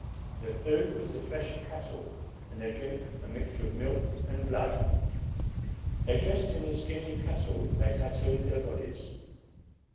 Their food was the flesh of cattle, and their drink a mixture of milk and blood. They dressed in the skins of cattle; they tattooed their bodies.